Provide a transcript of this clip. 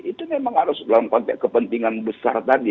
itu memang harus dalam konteks kepentingan besar tadi